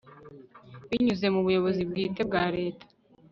binyuze mu buyobozi bwite bwa leta